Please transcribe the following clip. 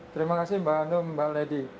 terima kasih mbak hanum mbak lady